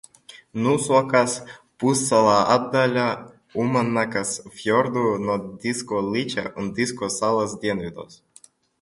Nūsuakas pussala atdala Ūmannakas fjordu no Disko līča un Disko salas dienvidos.